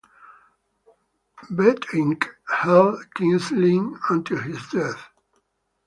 Bentinck held King's Lynn until his death.